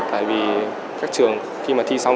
tại vì các trường khi mà thi xong